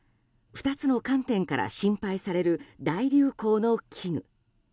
２つの観点から心配される大流行の危惧。